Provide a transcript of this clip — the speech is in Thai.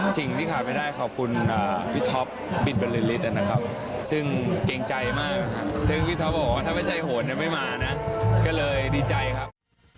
สิ่งที่ขาดไม่ได้ขอบคุณพี่ท็อปบินบรรลือฤทธินะครับซึ่งเกรงใจมากซึ่งพี่ท็อปบอกว่าถ้าไม่ใช่โหดเนี่ยไม่มานะก็เลยดีใจครับ